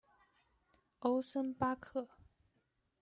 欧森巴克。